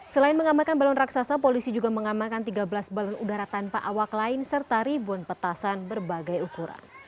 selain mengamalkan balon raksasa polisi juga mengamalkan tiga belas balon udara tanpa awak lain serta ribuan petasan berbagai ukuran